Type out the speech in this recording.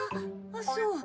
ああそう。